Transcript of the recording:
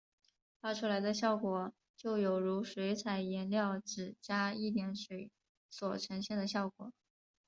画出来的效果就有如水彩颜料只加一点水所呈现的效果。